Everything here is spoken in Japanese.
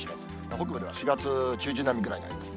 北部では４月中旬並みぐらいになります。